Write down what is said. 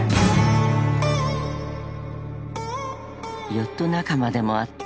［ヨット仲間でもあった］